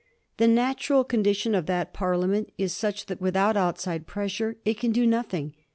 The natural condition of that Parliament is such that, without outside pressure, it can do nothing.